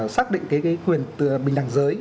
xác định cái quyền bình đẳng giới